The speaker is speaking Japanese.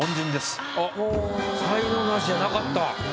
才能ナシじゃなかった。